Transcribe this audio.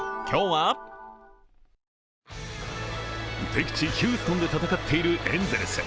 敵地ヒューストンで戦っているエンゼルス。